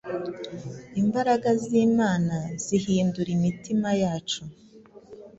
Imbaragazimana zihindura imitima yacu